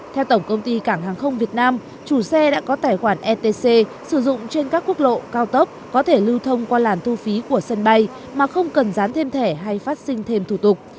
theo tổng công ty cảng hàng không việt nam chủ xe đã có tài khoản etc sử dụng trên các quốc lộ cao tốc có thể lưu thông qua làn thu phí của sân bay mà không cần dán thêm thẻ hay phát sinh thêm thủ tục